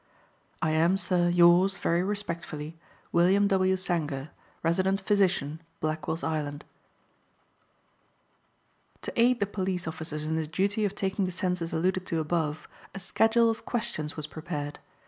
"I am, sir, yours, very respectfully, "WILLIAM W. SANGER, Resident Physician, Blackwell's Island." To aid the police officers in the duty of taking the census alluded to above, a schedule of questions was prepared.